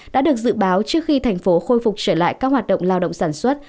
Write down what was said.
đã được dự báo trước khi tp hcm khôi phục trở lại các hoạt động lao động sản xuất